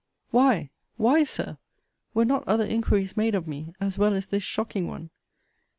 Why, why, Sir, were not other inquiries made of me, as well as this shocking one?